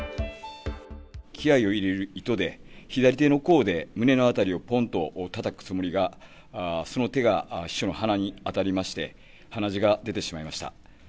気合いを入れる意図で、左手の甲で胸の辺りをぽんとたたくつもりが、その手が秘書の鼻に当たりまして、鼻血が出てしまいました。